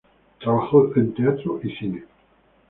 Trabajó en teatro y cine.